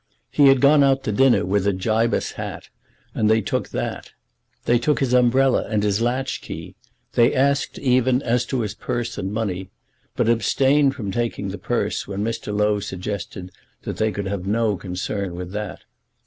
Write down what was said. He had gone out to dinner with a Gibus hat, and they took that. They took his umbrella and his latch key. They asked, even, as to his purse and money; but abstained from taking the purse when Mr. Low suggested that they could have no concern with that.